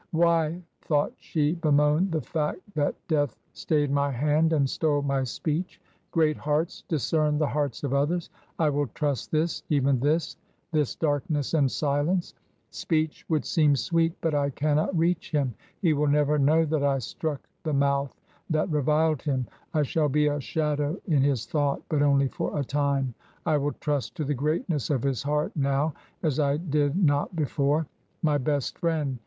"Why," thought she, "bemoan the fact that Death stayed my hand and stole my speech? Great hearts discern the hearts of others. I will trust this — even this — this darkness and silence. Speech would seem sweet. But I cannot reach him. He will never know that I struck the mouth that reviled him. I shall be a shadow in his thought. But only for a time. I will trust to the greatness of his heart now as I did not before. My best friend